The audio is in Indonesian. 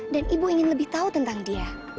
dan ibu ingin lebih tahu tentang dia